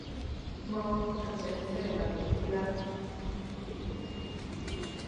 Mom", referencia a la película "Mr.